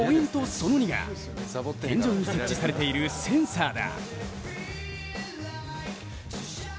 その２が天井に設置されているセンサーだ。